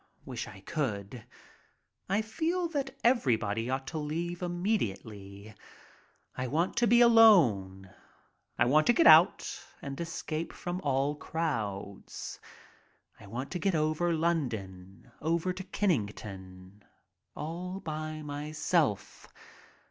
Wish I could. I feel that everybody ought to leave immediately. I want to be alone. I want to get out and escape from all crowds. I want to get over London, over to Kennington, all by my self.